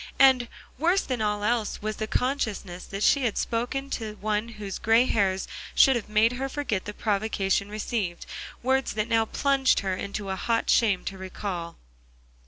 and, worse than all else, was the consciousness that she had spoken to one whose gray hairs should have made her forget the provocation received, words that now plunged her into a hot shame to recall.